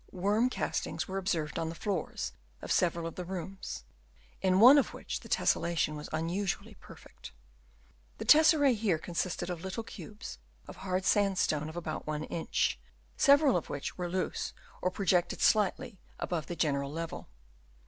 Worm castings were observed on the floors of several of the rooms, in one of which the tesselation was unusually perfect. The tesserae here con sisted of little cubes of hard sandstone of about 1 inch, several of which were loose or projected slightly above the general level.